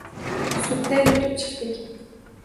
Sudda yutub chiqdik.